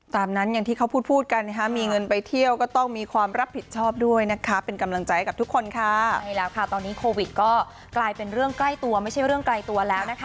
ถ้าทุกคนรับผิดชอบนะก็จบ